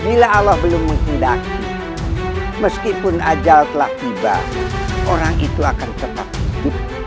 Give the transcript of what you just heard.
bila allah belum menghendaki meskipun ajal telah tiba orang itu akan tetap hidup